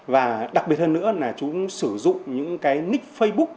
và đặc biệt hơn nữa là chúng sử dụng những cái nick facebook